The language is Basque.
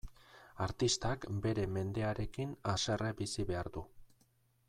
Artistak bere mendearekin haserre bizi behar du.